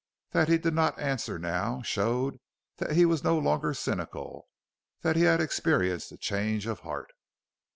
That he did not answer now showed that he was no longer cynical; that he had experienced a change of heart.